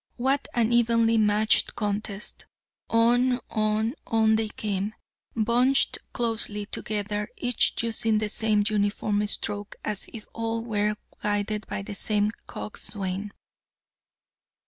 What an evenly matched contest. On, on, on they came, bunched closely together, each using the same uniform stroke as if all were guided by the same coxswain.